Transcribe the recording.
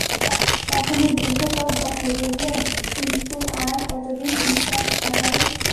এখনও দীর্ঘ পথ বাকি, বুঝলেন কিন্তু আর কতদিন মিস্টার সাহায়?